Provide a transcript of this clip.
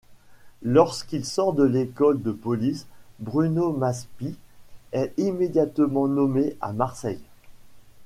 Lorsqu'il sort de l’école de police, Bruno Maspie est immédiatement nommé à Marseille.